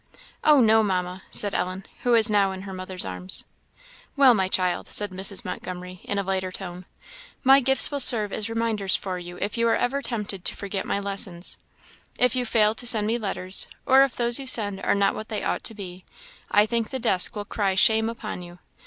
"Oh no, Mamma," said Ellen, who was now in her mother's arms. "Well, my child," said Mrs. Montgomery, in a lighter tone, "my gifts will serve as reminders for you if you are ever tempted to forget my lessons. If you fail to send me letters, or if those you send are not what they ought to be, I think the desk will cry shame upon you.